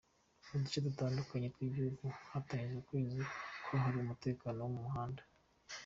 Mu duce dutandukanye tw’igihugu hatangijwe ukwezi kwahariwe umutekano wo mu muhanda.